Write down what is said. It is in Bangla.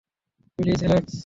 Please, Alex.